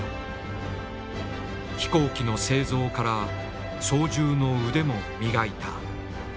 飛行機の製造から操縦の腕も磨いた。